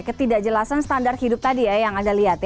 ketidakjelasan standar hidup tadi ya yang anda lihat ya